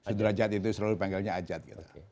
sudrajat itu selalu dipanggilnya ajat gitu